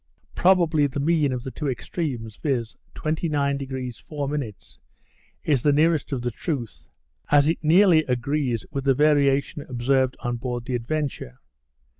Probably the mean of the two extremes, viz. 29° 4', is the nearest the truth, as it nearly agrees with the variation observed on board the Adventure.